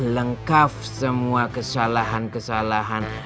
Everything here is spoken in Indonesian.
lengkap semua kesalahan kesalahan